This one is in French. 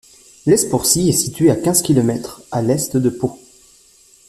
Lespourcy est située à quinze kilomètres à l'est de Pau.